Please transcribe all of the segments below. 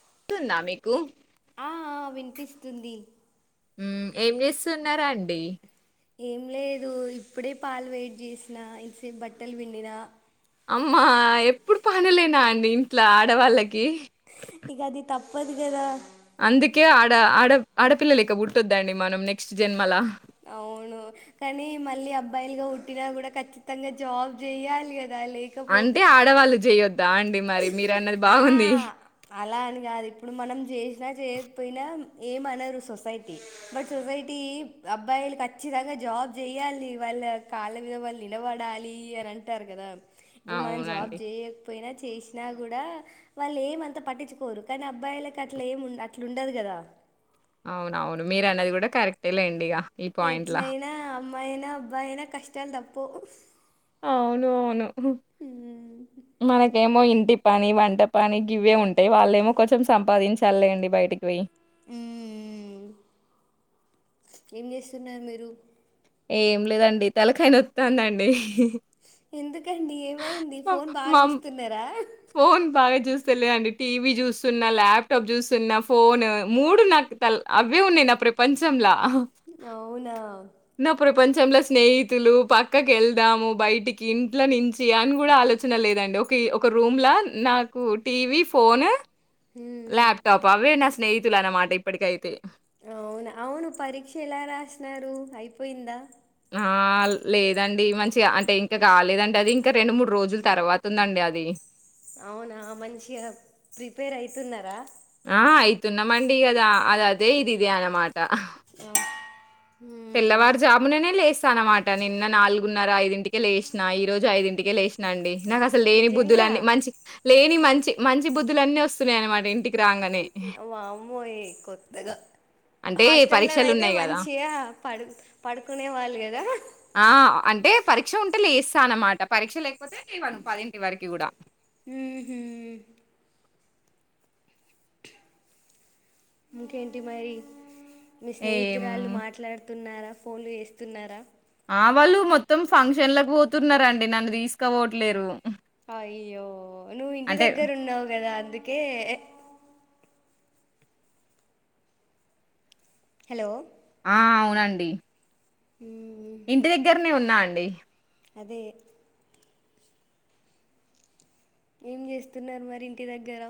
వినిపిస్తుందా మీకు ఆ ఆ వినిపిస్తుంది మ్మ్ ఏం చేస్తున్నారండి ఏం లేదు ఇప్పుడే పాలు వెడి చేసినా ఇంతసేపు బట్టలు పిండిన అమ్మా ఎప్పుడు పనులేనా అండి ఇంట్ల ఆడవాళ్ళకి ఇగ అది తప్పదు కదా అందుకే ఆడపిల్లలగా పుట్టొద్దండి మనం నెక్స్ట్ జన్మలా అవును కానీ మళ్ళీ అబ్బాయిలుగా పుట్టిన కూడా ఖచ్చితంగా జాబ్ చెయాలి కదా అంటే లేకపోతే ఆడవాళ్ళు చేయొద్దా అని ఆహా అలా అని కాదు ఇప్పుడు మనం చేసినా చేయకపోయినా ఏమనరు సొసైటీ బట్ సొసైటీ అబ్బాయిలు కచ్చి తంగా జాబ్ చెయాలి వాళ్ళ కాళ్ళ మీద వాళ్ళు నిలబడాలి అని అంటారు కదా ఇప్పుడు మనం జాబ్ అవునండి చేయకపోయినా చేసినా కూడా వాళ్ళు ఏమంత పట్టించుకోరు కానీ అబ్బాయిలకు అట్ల ఏం అట్లు ఉండదు కదా అవునవును మీరు అన్నది కూడా కరెక్టే లేండి ఇగ ఎట్లయినా అమ్మాయి ఐనా అబ్బాయి ఐనా కష్టాలు తప్పవు అవునవును మనకేమో ఇంటి పని వంటపని గివ్వే ఉంటాయి వాళ్ళ ఏమో కొంచెం సంపాదించాలిలేండి బయటికి పోయి మ్ మ్ ఏం చేస్తున్నారు మీరు ఏం లేదండి తలకాయ నొత్తాందండి ఎందుకండి ఏమైంది ఫోన్ బాగా చూస్తున్నారా ఫోన్ బాగా చూ స్తలే టీవీ చూస్తున్నా ల్యాప్టాప్ చూస్తున్నా ఫోన్ మూడు నాకు అవ్వే ఉన్నయ్ ఇప్పుడు ప్రపంచంల అవునా నా ప్రపంచం కొంచంలో స్నేహితులు పక్కకు వెళ్దాము బయటికి ఇంట్ల నుంచి అని కూడా ఆలోచన లేదండి ఒక ఒక రూమ్ లో నాకు టీవి ఫోన్ హ్మ్ ల్యాప్టాప్ అవే నాకు స్నేహితులు అన్నమాట ఇప్పటికైతే అవును అవును పరీక్ష ఎలా రాసినారు అయిపోయిందా ఆ లేదండి మంచిగా అంటే ఇంకా కాలేదండి అది ఇంకా రెండు మూడు అవునా మంచిగా ప్రిపేర్ అయితున్నారా ఆ అయితున్నమండిగద అది అదే ఇది ఇదే అన్నమాట ఇ తెల్లవారు జాముననే లేసి అన్నమాట నిన్న నాలుగున్నర ఐదింటికే లేసిన ఈ రోజు ఐదింటికే లేసినా అండి నాకు అసలు లేని నిజంగా బుద్ధులన్నీ మంచి లేని మంచి మంచి బుద్ధులన్నీ వస్తున్నాయి అన్నమాట ఇంటికి రాంగానే. వామ్మో కొత్తగా అంటే హాస్టల్ లోనైతే పరీక్షలున్నాయి గదా! మంచిగా పడుకునే వాళ్ళు కదా ఆ అంటే పరీక్ష ఉంటే లేస్తా అన్నమాట పరీక్ష లేక పోతే ఇ వన్ పదింటి వరకు కూడా ఊహూ ఇంకేంటి మరి మీ ఏం స్నేహితురాళ్ళు మాట్లాడుత న ఫోన్లు చేస్తున్నారా ఆ వాళ్ళు మొత్తం ఫంక్షన్లకు పోతున్నరండి నన్ను తీసుకపోవట్లేరు అయ్యో నువ్వు ఇంటి దగ్గర ఉన్నావ్ గదా అందుకే హలో ఆ అవునండి మ్మ్. ఇంటి దగ్గర్నే ఉన్నా అండి అదే ఏం చేస్తున్నారు మరి ఇంటి దగ్గర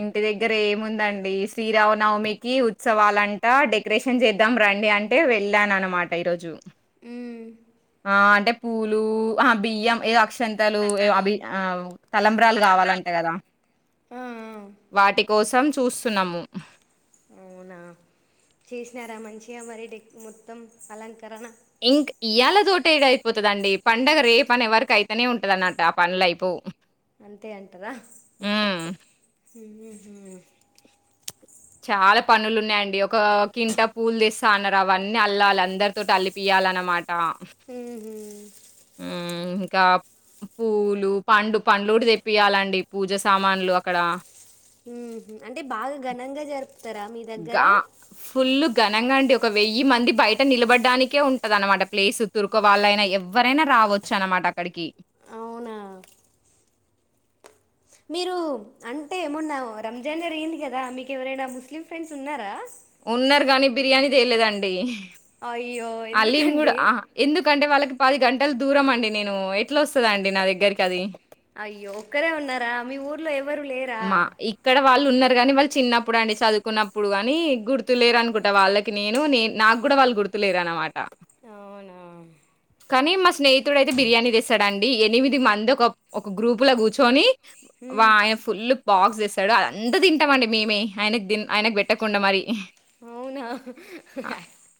ఇంటి దగ్గర ఏముందండి శ్రీరామనవమికి ఉత్సవాలంటా డెకరేషన్ చేద్దాం రండి అంటే వెళ్ళాను అనమాట ఈరోజు మ్మ్ ఆ అంటే పూలు ఆహా బియ్యం ఏ అక్ష్ తలు అభి ఆ తలంబ్రాలు కావాలంట కదా ఆ ఆ వాటి కోసం చూస్తున్నాము అవునా చేసినారా మంచిగా మరి డె మొత్తం అలంకరణ ఇంక్ ఇయల తోటి ఎడ అయిపోతుదండి పండగ రేపని ఎవరిక అయితేనే ఉంటంది అన్నట్ట ఆ పనుల అయిపో అంతే అంటారా మ్మ్ మ్మ్ హు చాలా పనులు ఉన్నాయండి ఒక కింట పూలు తేస్తా అన్నారు అవన్నీ అల్లాలి అందరితోటి అల్లిపియా అనమాట మ్మ్ హు హ్మ్. ఇంకా పూలు పండు పండ్లు గూడా తెప్పియాలండి పూజ సామాన్లు అక్కడ మ్స్ హు అంటే బాగా ఘనంగా జరుపు గా ఫుల్లు ఘనంగా అండి ఒక వెయ్యి మంది బయట నిలబడ్డానికే ఉంటది అనమాట ప్లేస్ తుర్కు వాళ్ళైనా ఎవరైనా ర రావచ్చు అన్నమాట అక్కడికి అవునా మీరు అంటే ఏమన్నా రంజాన్ జరిగింది కదా మీకు ఎవరైనా ముస్లిం ఫ్రెండ్స్ ఉన్నారా ఉన్నారు గానీ బిర్యానీ తేలేదండి అయ్యో ఆలిమ్ గూడా ఎందుకండి ఆ ఎందుకంటే వాళ్ళకి పది గంటలు దూరం అండి నేను ఎట్లా వస్తది అండి నా దగ్గరికి అది అయ్యో ఒక్కరే ఉన్నారా మీ ఊర్లో ఎవరు లేరా మా ఇక్కడ వాళ్ళు ఉన్నారు కాని వాళ్ళు చిన్నప్పుడు అండి చదువుకున్నప్పుడు గాని గుర్తులేరు అనుకుంటా వాళ్ళకి నేను నే నాకు గూడా వాళ్ళు గుర్తులేరు అనమాట అవునా కానీ మా స్నేహితుడు అయితే బిర్యానీ తేస్తాడండి ఎనిమిది మంది ఒక ఒక గ్రూపు లో గూర్చొని వా హ్మ్ ఎఫ్ బాక్స్ ఇస్తాడు అది అంతా తింటాం అండి మేమే ఆయనక్దిన్ ఆయనకు పెట్టకుండా మరి అవునా ఆ!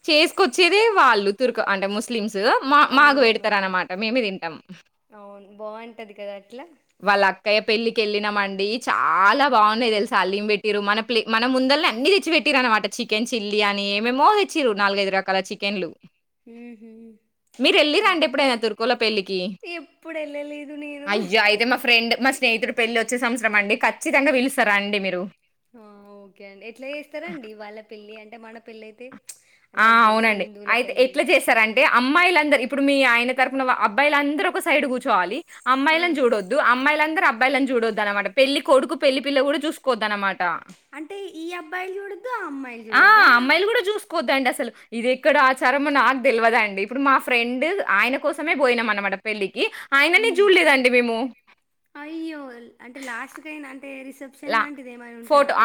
చేసుకొచ్చేదే వాళ్ళు తుర్క అంటే ము స్లిమ్స్ మా మాకు అవునవును పెడతార అన్నమాట మేమే తింటాం టది కదా అట్లా కయ పెళ్లి కెళ్ళిన మండి చాలా బావున్నాయి తెలుసా హాలీమ్ పెట్టిరు మన ప్ మన ముందల్నే అన్ని తెచ్చి పెట్టిరు అనమాట చికెన్ చిల్లీ యనీ ఏమేమో తెచ్చిరు నాలుగైదు రకాల చికెన్ లు మ్మ్ హు మీరు ఎళ్ళి రండి ఎప్పుడైనా తుర్కులో పెళ్లికి ఎప్పుడు వెళ్ళలేదు నేను అయ్యా అయితే మా ఫ్రెండ్ మా స్ స్నేహితుడు పెళ్లి వచ్చే సంవత్సరం అండి ఖచ్చితంగా పిలుస్తా రండి మీరు ఆ ఓకే అండి ఎట్లా చేస్తారాండి వాళ్ళ పెళ్లి అంటే మన పెళ్లి అయితే ఆ అందరికి తెలుసు అవునండి హిందువుల అయితే పెళ్ళి ఎట్లా జేస్తారంటే అమ్మాయిలందరి ఇప్పుడు మీ ఆయన తరపున అబ్బాయిలందరు ఒక సైడ్ కూర్చోవాలి, ఆ అమ్మాయిలను చూడొద్దు, అమ్మాయిలందరు అబ్బయిలను చూడద్దన్నమాట పెళ్లి కొడుకు పెళ్లి పిల్ల కూడా చూకోవద్దన్నమాట అంటే ఈ అబ్బాయిలు చూడొద్దు ఆ అమ్మాయిలు చూడద్దా? కోద్దాండి అసలు, ఇది ఎక్కడ ఆచారమో నాకు తెలవదండి, ఇప్పుడు మా ఫ్రెండ్ ఆయన కోసమే పోయినం అనమాట పెళ్ళికి ఆయనని ఉమ్ చూడలేదండి మేము. అయ్యో అంటే లాస్ట్ కైనా అంటే రిసెప్షన్ లాంటిది ఏమైన ఉంటదా?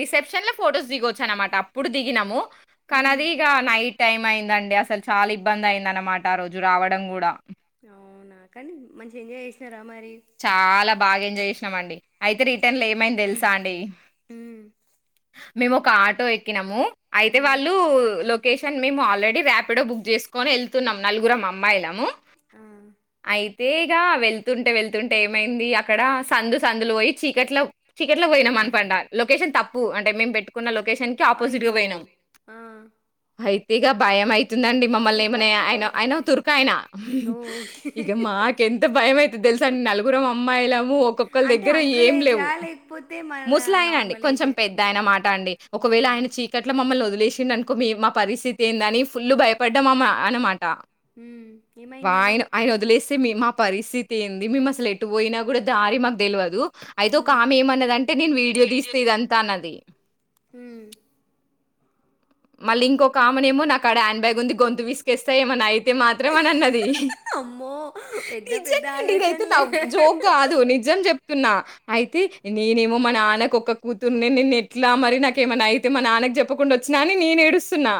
రిసెప్షన్ ల ఫొటోస్ దిగొచ్చు అనమాట అప్పుడు దిగినము, హ్మ్ కానది ఇగ నైట్ టైమ్ అయిందండి అసలు చాలా ఇబ్బంది అయింది అనమాట, ఆ రోజు రావడం కూడా అవునా కానీ మంచి ఎంజాయ్ చేసినరా? చాలా బాగా ఎంజాయ్ చేసినం అండి అయితే రిటర్న్ల ఏమైంది తెలుసా అండి, హ్మ్ మేము ఒక ఆటో ఎక్కినము అయితే హ్మ్ వాళ్ళు లో లోకేషన్ మేము ఆల్రెడీ రాపిడో బుక్ చేసుకొని ఎళ్తున్నాం నలుగురం అమ్మాయిలము ఆ అయితే ఇగ వెళ్తుంటే వెళ్ తుంటే ఏమైంది అక్కడ సందు సందులు పోయి, చీకట్లో చీకట్లో పోయినం అనపండ లొకేషన్ తప్పు అంటే మేము పెట్టుకున్న లొకేషన్ కి ఆపోజిట్గా అయ్యో పోయినం ఆ హై. ఇగ భయం అవుతుందండి మమ్మల్ని ఏమన్న అయన అయన తురకాయనా ఓకే ఇగ మాకెంత భయం అయితది తెలుస్ సన్ నలుగురుం అమ్మాయిలము ఒక్కొక్కలి అంటే దగ్గర అంకుల్ ఏం ఏజా లేవు. లేకపోతే మన ముసలాయిన అండి, నార్మల్ ఏజ్ కొంచెం పెద్ద ఆయన మాట అండి. ఒకవేళ ఆ ఆయన చీకట్లో మమ్మల్ని ఒదు లేసిండనుకో మీ మా పరిస్థితి ఏందని ఫుల్లు భయపడ్డా మానా ఐన అనమాట టా ఉమ్, ఏమైంది మరి వాయన ఆయన వదిలేస్తే మీ మా పరిస్థితి మేమ్ అసలు ఎటు పోయినా కూడా దారి మాకు తెలివదు అయితే ఒక ఉమ్, ఆమె ఏమన్నదంటే నేను వీడియో తీస్త ఇదంతా అన్నది. ఉమ్ మళ్ళీ ఇంకొక ఆమెనేమో నాకాడ హ్యాండ్ బ్యాగ్ ఉంది, గొంతు విసుకేస్తా ఏమన్న అయితే మాత్రం అనన్నది. అమ్మో పెద్ద పెద్ద నిజంగండి ఇదైతే ఆలోచనలే నవ్ జోక్ కాదు నిజం చెప్ ప్తున్నా అయితే నేనేమో మా నాన్నకు ఒక్క కూతుర్నే నేను ఎట్లా మరి నాకేమన్న అయితే మా నాన్న నకు చెప్పకుండా వచ్చినా అని నేను ఏడుస్తున్నా.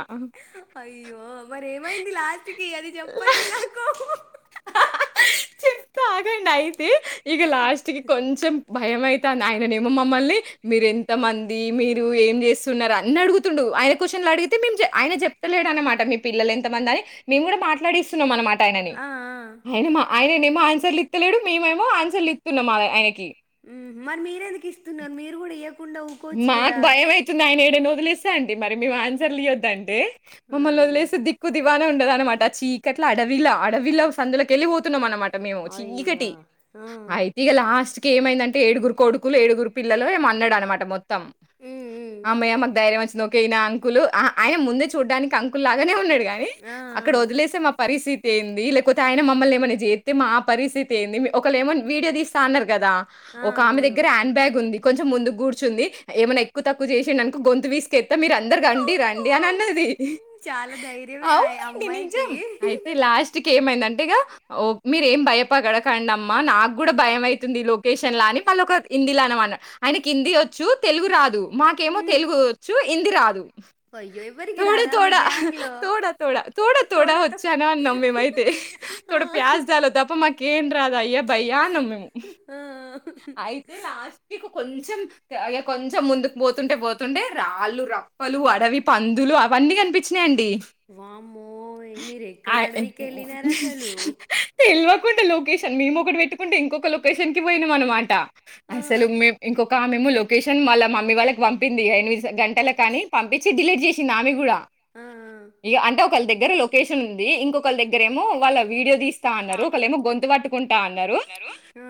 అయ్యో మరి ఏమైంది లాస్ట్ కి అది చెప్పండి నాకు. చెప్త ఆగండి అయితే, ఇగ లాస్ట్కి కొంచెం భయమయితాంది, ఆయననేమో మమ్మల్ని మీరు ఎంత మంది, మీరు ఏం చేస్తున్నరు అని అడుగుతుండు. ఆయన క్వశ్చన్లు అడిగితే మే ఆయన చెప్తలేడు అనమాట, మీ పిల్లలు ఎంత మంది అని మేము కూడా మాట్లాడిస్తున్నాం అనమాట. ట యనని ఆ, ఆ. ఆయన మా ఆయనేమో ఆన్సర్లు ఇత్తలేడు, మేమేమో ఆన్సర్లు ఇస్తున్నామా ఆయనకి మరి మీరెందుకు ఇస్తున్నరు మీరు కూడా ఇయ్య మాకు భయం అవుతుంది ఆయన ఏడైనా ఒదిలేస్తే అండి మరి, మేము ఆన్సర్లు ఇవయొద్దంటె మమ్మల్ అయ్యా ఓదిలేస్తే దిక్కు దివానా ఉండద అనమాట చీకట్ల అడవిలా, అడవిల సందుకెళ్ళిపోతున్నాం అనమాట ఇగ మేము అయ్యా చీకటి ఆ. ఉమ్, అయితే ఇగ లాస్ట్ కి ఏమైందంటే ఏడుగురు కొడుకులు ఏడుగురు పిల్లలు ఎమో అన్నాడనమాట మొత్తం ఉమ్. అమయ మాకు ధైర్యం వచ్చింది కైనా అంకులు ఆయన ముందే చూడ్డానికి అంకుల్ లాగానే ఉన్నడు గాని, ఆ, అక్కడ ఆ. వదిలేసే మా పరిస్థితి ఏంది లేకపోతే ఆయన మమ్మల్ని ఏమైన చెత్తే మా పరిస్థితి ఏంది, ఒకళ్ళేమో ఏమన్నా వీడియో తీస్తా అన్నరు. కదా ఆ ఒక ఆమె అవును దగ్గర హ్యాండ్ బ్యాగ్ ఉంది, కొంచెం ముందు కూర్చ కూర్చుంది ఏమైన్నా ఎక్కువ తక్కువ చేసిండనుకో గొంతు వీసుకెస్తా, మీరు అందరు రండి అమ్మో! రండి అని అన్నది. చాలా ధైర్యమే ఆ అవునండి అమ్మాయికి నిజం, అయితే లాస్ట్కి ఏమైంద అంటే ఇగ, ఓ మీరేం భయ పగడకండి అమ్మా, నాకు కూడా భయంమయితుంది ఈ లొకేషన్ లాని ఆమె ఒక హిందీ అనమాన ఆయనకి హిందీ వచ్చు తెలుగు రాదు, మాకేమో ఉమ్, తెలుగు వచ్చు హిందీ రాదు. అయ్యో ఎవరికి తోడ రాదా మీ తోడా, గ్యాంగ్ లో తోడ తోడా, తోడ తోడ తోడతో వచ్చాని అన్నం మేమైతే. ఆ, తోడ ప్యాస్ దాలో తప్ప మాకేం రాదు అయ్య భయ్యా అన్నం మేము ఆ. ఇదే లాస్ట్ మీకు కొంచం అగే కొంచం ముందుకు పోతుంటే పోతుండే రాళ్ళు రప్పలు అడవి పందులు అవన్నీ కనిపించినయండి వామ్మోయ్ మీరు ఎక్కడ ఆయ్ అడవికి వెళ్ళినారు అసలు కుండె లొకేషన్ మేము ఒకటి పెట్టుకుంటే ఇంకొక లొకేషన్ కి పోయినం అనమాట ఆ, అసలు మేమ్ ఇంకొ కా మేము లొకేషన్ వాళ్ళ మమ్మీ వాళ్ళకి పంపింది ఎనిమిజ్ గంటల కనీ పంపించి డిలీట్ చేసింది ఆమె గూడా ఆ ఆ ఒకల్ దగ్గర లొకేషన్ ఉంది ఇంకొకళ్ళదగ్గర ఏమో వాళ్ళ వీడియో తీస్ త అన్నారు ఒకలేమో గొంతు పట్టుకుంటా అన్నరు ఆ,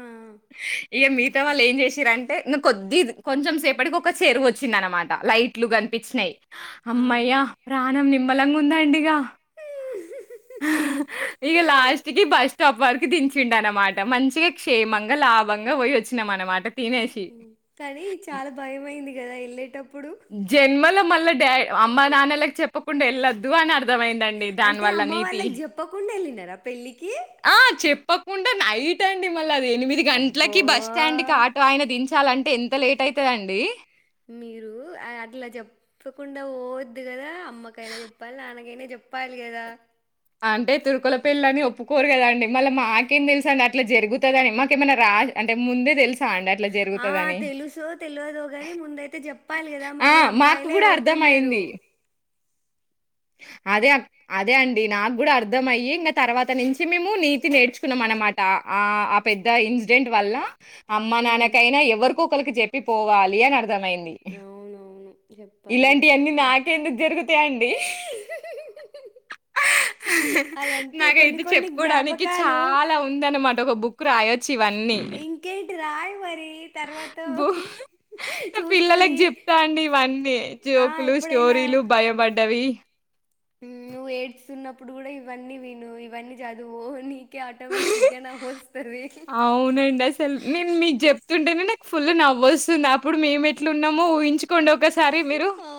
ఇగ మిగతా వాళ్ళు ఏం జేసిరంటే ను్ కొద్ది కొంచం సేపటికి ఒక చెరువు వచ్చింది అన్నమాట్ లైట్లు కనిపించినయ్ ఆ. అమ్మయ్యా ప్రాణం నిమ్మలంగా ఉందండిగా హ్హుహు ఇగ లాస్ట్ కి బస్ స్టాప్ వరకు దించిండనమాట మంచిగా క్షేమంగా లాభా బంగా పోయి వచ్చినా అనమాట తినేసి అని హ్మ్. చాలా భయంమయింది గదా వెళ్ళేటప్పుడు జన్మలో మళ్ళీ డ్యా అమ్మ నాన్నలకి చెప్పకుండా వెళ్ళొద్దు అని అర్ అర్థమైందండి దాని వల్ల నీతి రా పెళ్లికి ఆ చెప్పకుండా నైట్ అండి మళ్ళీ అది ఎనిమిది అబ్బో గంట్లకి బస్ స్టాండ్కిి ఆటో ఆయన దించ్ చాలా అంటే ఎంత లేట్ ఐతదండి మీరు అ అట్ల చెప్పకుండా పోవద్దు గదా అమ్మకైనా చెప్పాలి నాన్నకైనా చెప్పాలి గదా అంటే తురుకొల్ల పెళ్లి అని ఒప్పుకోరు కదండి మళ్ళీ మాకేం తెలుసండి అట్ల జరుగుతదని మాకేమన్నా రా అంటే ముందే తెలుస్ ఆ తెలుసో తెలియదో గాని ముందయితే చెప్పాలి గదా ఆ! మళ్ళీ మాకు అమ్మాయిలే గూడా పొతున్ న్నరు అర్థమయింది. అదే అదే అండి నాకు గూడా అర్థమయ్యి ఇంగ తర్వాత నుంచి మేము నీతి నేర్చుకున్నాం అనమాట ఆ ఆ పెద్ద ఇన్సిడెంట్ వల్ల అమ్మ ఉమ్, నాన్నకైనా ఎవరికో ఒకలకి చెప్పి పోవాలి అని అర్థమైంది అవునవును ఇలాంటియన్నీ చెప్పాలి నాకెందుకు జరుగుతాయండి. ఊ హుహుహు నాకైతే చెప్పుకోడానికి జ్ఞాపకాలు చాలా ఉందనమాట ఒక బుక్ రాయొ చ్చు ఇవన్నీ హ్ ఇంకేంటి రాయి మరి తర్వాత బూ హ్ పిల్లలకి చూసుకొని చజెప్తా అండి ఇవన్నీ ఆ జోకులు ఎప్పుడైనా స్టోరీలు భయబడ్డవి నువ్వు ఏడుస్తున్నప్పుడు గడా ఇవన్నీ విను ఇవన్నీ చదువు ని అవునండి అసల్ నేను మీకు చెప్తుంటేనే నక్ ఫుల్ నవ్వోస్తుంది అప్పుడు మేమెట్లున్నామో ఊహించుకోండి ఒక స్ ఆ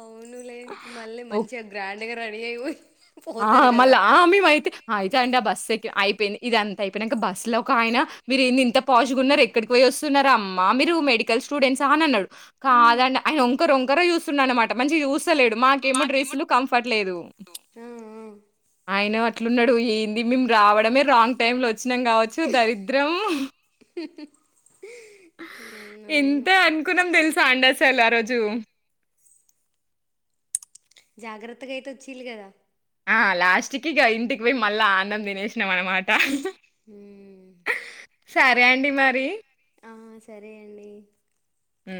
అవునులే మళ్ళీ ఓహ్! మంచిగా గ్రాండ్గా రెడీ అయిపోయి ఆ మళ్ళ ఆ మేమ అయితే అయిత అండి ఆ బస్సేక్కి అయిపోయింది ఇది అంత అయిపోయినంక బస్సు లో ఒక ఆయన మీరు ఇ ఇంత పాషుగ ఉన్నరు ఎక్కడికి పోయి వస్తున్నరమ్మా మీరు మెడికల్ స్టూడెంట్సా అని అన్నడు ఉమ్, కాదండి ఆయన ఒంకర ఒంకరు చూస్తున్న అనమాట మంచి చూస్ స్తలేడు మాకేమో డ్రెస్సులు కంఫర్ట్ లేదు ఆ, ఆ. ఆయన అట్లున్నడు ఏంది మేము రావడమే రాంగ్ టైమ్ లో వచ్చినాం కావచ్చు దరిద్రం హుహుహు ఎంత అనుకున్నాం తెలుసా అండస్ సలు ఆ రోజు జాగ్రత్తగా అయితే వొచ్చిళ్ళు గదా ఆ లాస్ట్ కి ఇగ ఇంటికి పోయి మళ్ళా అన్నం తినేసినం అనమాట ఊ సరే అండి మరి ఆ సరే అండి మ్